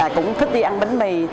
cũng thích đi ăn bánh mì